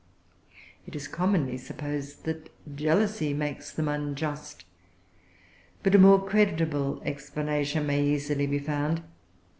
It is commonly supposed that jealousy makes them unjust. But a more creditable[Pg 342] explanation may easily be found.